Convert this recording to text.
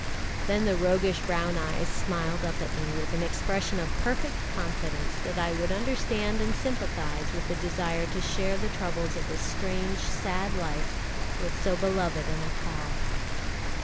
Then the roguish brown eyes smiled up at me with an expression of perfect confidence that I would understand and sympathise with the desire to share the troubles of this strange, sad life with so beloved an Accal.